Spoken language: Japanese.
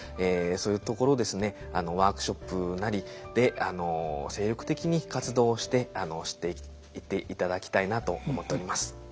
そういうところですねワークショップなりで精力的に活動をして知っていっていただきたいなと思っております。